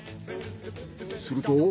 すると。